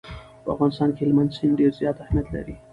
په افغانستان کې هلمند سیند ډېر زیات اهمیت لري.